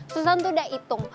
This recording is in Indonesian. susan tuh udah hitung